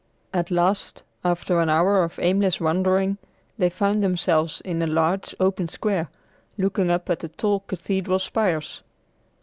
At last, after an hour of aimless wandering, they found themselves in a large, open square, looking up at the tall cathedral spires.